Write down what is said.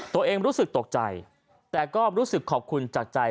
ตัวเองรู้สึกตกใจแต่ก็รู้สึกขอบคุณจากใจ